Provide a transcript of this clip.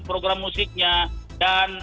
program musiknya dan